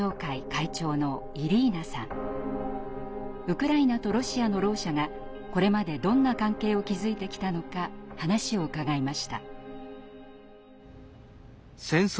ウクライナとロシアのろう者がこれまでどんな関係を築いてきたのか話を伺いました。